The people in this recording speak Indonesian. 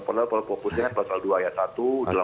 kalau fokusnya pasal dua ayat satu